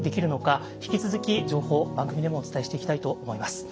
引き続き情報を番組でもお伝えしていきたいと思います。